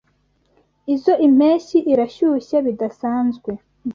Izoi mpeshyi irashyushye bidasanzwe.